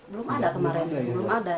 belum ada kemarin belum ada